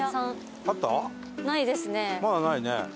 まだないね。